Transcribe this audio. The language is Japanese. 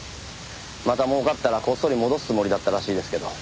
また儲かったらこっそり戻すつもりだったらしいですけど。